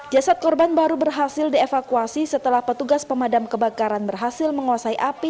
jasad korban baru berhasil dievakuasi setelah petugas pemadam kebakaran berhasil menguasai api